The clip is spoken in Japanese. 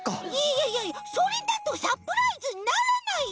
いやいやいやそれだとサプライズにならないよ！